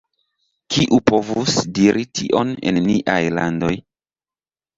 Kiu povus diri tion en niaj landoj?